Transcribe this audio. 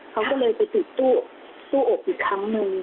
เขาก็เลยไปติดตู้อบอีกครั้งหนึ่ง